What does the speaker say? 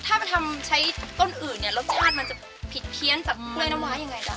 ถ้าไปทำใช้ต้นอื่นเนี่ยรสชาติมันจะผิดเพี้ยนจากกล้วยน้ำว้ายังไงคะ